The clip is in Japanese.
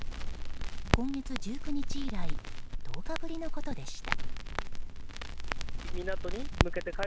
今月１９日以来１０日ぶりのことでした。